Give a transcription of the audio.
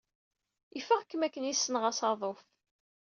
Ifeɣ-kem akken ay ssneɣ asaḍuf.